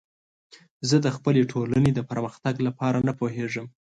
زه د خپلې ټولنې د پرمختګ لپاره نه پوهیږم.